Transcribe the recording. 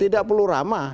tidak perlu ramah